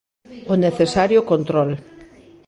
O necesario control.